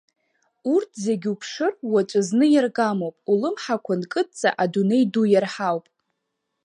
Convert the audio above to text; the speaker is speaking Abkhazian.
Урҭ зегь, уԥшыр, уаҵәызны иаргамоуп, улымҳақәа нкыдҵа адунеи ду иарҳауп.